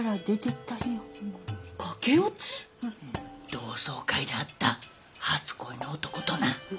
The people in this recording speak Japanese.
同窓会で会った初恋の男とな。